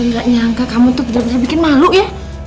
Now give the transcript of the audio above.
gak nyangka kamu tuh bener bener bikin malu ya